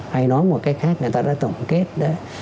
hay nói một cách khác người ta đã tổng kết đấy